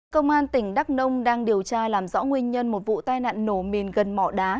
công an tỉnh đắk nông đang điều tra làm rõ nguyên nhân một vụ tai nạn nổ mìn gần mỏ đá